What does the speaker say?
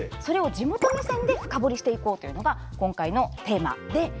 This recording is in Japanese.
それを地元目線で深掘りしていこうというのが今回のテーマで。